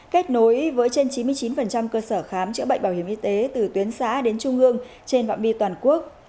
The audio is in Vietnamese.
kết nối với trên chín mươi chín cơ sở khám chữa bệnh bảo hiểm y tế từ tuyến xã đến trung hương trên vọng bi toàn quốc